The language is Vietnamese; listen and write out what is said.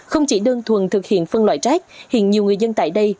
không chỉ đơn thuần thực hiện phân loại rác hiện nhiều người dân tại đây